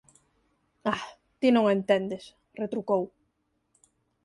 «Ah!, ti non o entendes», retrucou.